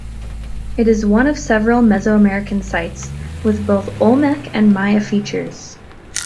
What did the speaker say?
It is one of several Mesoamerican sites with both Olmec and Maya features.